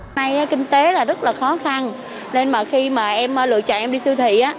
nay kinh tế là rất là khó khăn nên mà khi mà em lựa chọn em đi siêu thị